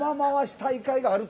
大会があると。